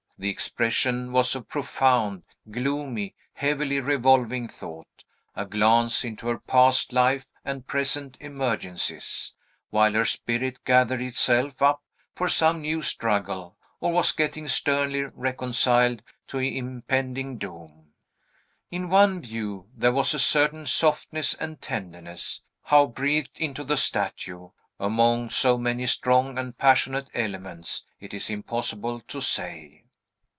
The expression was of profound, gloomy, heavily revolving thought; a glance into her past life and present emergencies, while her spirit gathered itself up for some new struggle, or was getting sternly reconciled to impending doom. In one view, there was a certain softness and tenderness, how breathed into the statue, among so many strong and passionate elements, it is impossible to say.